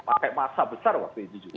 pakai masa besar waktu itu juga